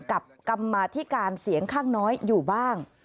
กรรมาธิการเสียงข้างน้อยอยู่บ้าง